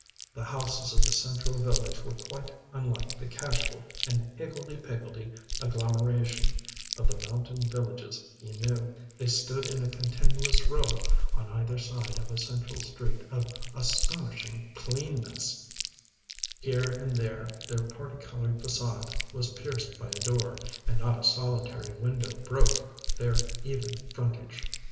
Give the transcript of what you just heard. The houses of the central village were quite unlike the casual and higgledy piggledy agglomeration of the mountain villages he knew; they stood in a continuous row on either side of a central street of astonishing cleanness, here and there their parti coloured facade was pierced by a door, and not a solitary window broke their even frontage.